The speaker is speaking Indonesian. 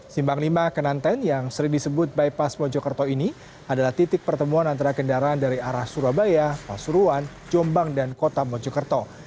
simpang lima kenanten yang sering disebut bypass mojokerto ini adalah titik pertemuan antara kendaraan dari arah surabaya pasuruan jombang dan kota mojokerto